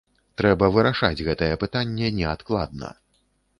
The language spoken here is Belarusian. Трэба вырашаць гэтае пытанне неадкладна.